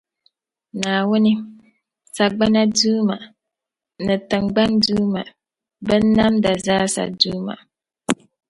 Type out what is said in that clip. Naawuni, sagbana Duuma, ni tiŋgbani duuma, binnamda zaasa duuma.